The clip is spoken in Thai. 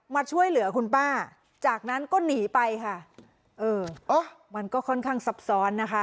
มาช่วยเหลือคุณป้าจากนั้นก็หนีไปค่ะเออเออมันก็ค่อนข้างซับซ้อนนะคะ